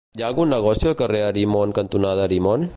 Hi ha algun negoci al carrer Arimon cantonada Arimon?